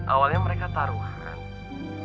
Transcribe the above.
awalnya mereka taruhan